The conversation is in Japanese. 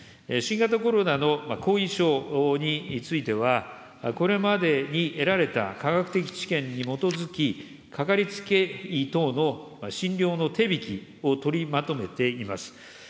新型コロナの後遺症については、これまでに得られた科学的知見に基づき、かかりつけ医等の診療の手引を取りまとめています。